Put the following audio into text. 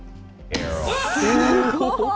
すごい。